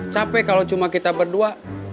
capek kalau cuma kita berdua